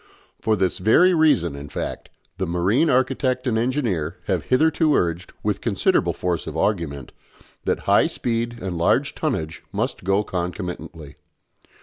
For this very reason, in fact, the marine architect and engineer have hitherto urged, with considerable force of argument, that high speed and large tonnage must go concomitantly.